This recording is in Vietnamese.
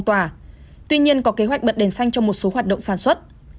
tuy nhiên có kế hoạch bật đèn xanh cho một số hoạt động sản xuất